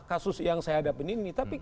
kasus yang saya hadapin ini tapi